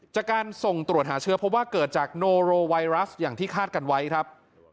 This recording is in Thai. จากการส่งตรวจหาเชื้อเพราะว่าเกิดจากโนโรไวรัสอย่างที่คาดกันไว้ครับ